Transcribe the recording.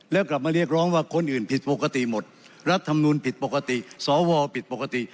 แล้วกลับมาเรียกร้องว่าคนอื่นผิดปกติหมดรัฐธรรมนูลผิดปกติสวผิดปกติ